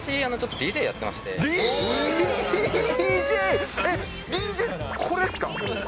ＤＪって、これですか？